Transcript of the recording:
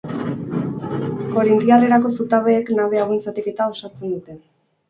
Korintiar erako zutabeek nabe hauen zatiketa osotzen zuten.